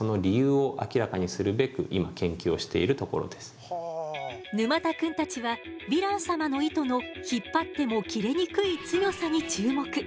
沼田くんは沼田くんたちはヴィラン様の糸の引っ張っても切れにくい強さに注目。